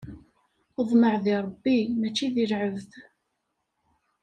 Ḍmeɛ di Ṛebbi, mačči di lɛebd!